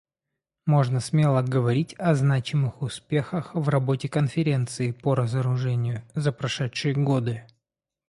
Можно смело говорить о значимых успехах в работе Конференции по разоружению за прошедшие годы.